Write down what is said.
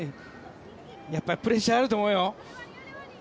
やっぱりプレッシャーあると思うよ。